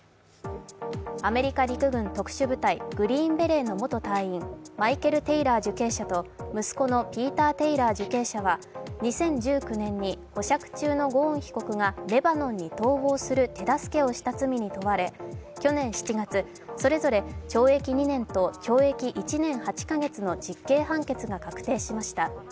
アメリカ陸軍特殊部隊グリーンベレーの元隊員、マイケル・テイラー受刑者と息子のピーター・テイラー受刑者は２０１９年に保釈中のゴーン被告がレバノンに逃亡する手助けをした罪に問われ、去年７月、それぞれ懲役２年と懲役１年８か月の実刑判決が確定しました。